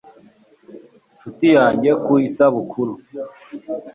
nshuti yanjye, ku isabukuru yawe